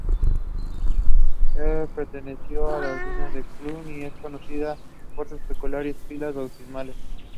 The Netherlands has implemented this decision the "Overleveringswet" (Surrendering Act).